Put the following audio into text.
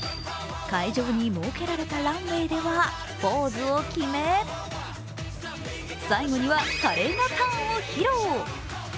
会場に設けられたランウェイではポーズを決め最後には華麗なターンを披露。